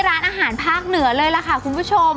ร้านอาหารภาคเหนือเลยล่ะค่ะคุณผู้ชม